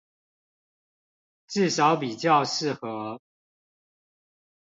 至少比較適合